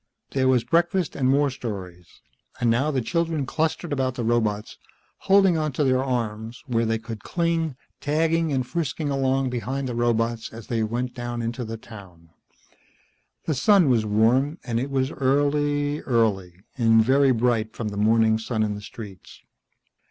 There was breakfast and more stories, and now the children clustered about the robots, holding onto their arms, where they could cling, tagging and frisking along behind the robots as they went down into the town. The sun was warm, and it was early, early, and very bright from the morning sun in the streets.